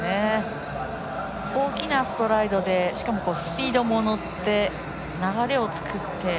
大きなストライドでしかもスピードにも乗って流れを作って。